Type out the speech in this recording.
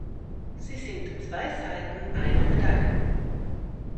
Sie sind zwei Seiten einer Medaille.